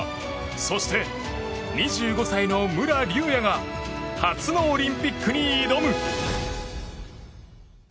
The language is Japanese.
そして、２５歳の武良竜也が初のオリンピックに挑む。